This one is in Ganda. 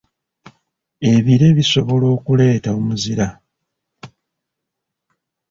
Ebire bisobola okuleeta omuzira.